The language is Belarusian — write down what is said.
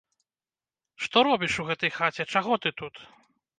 Што робіш у гэтай хаце, чаго ты тут?